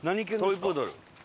トイプードル。